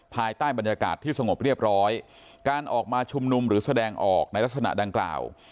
ภายใต้บรรยากาศที่สงบเรียบร้อยการออกมาชุมนุมหรือแสดงออกในลักษณะดังกล่าว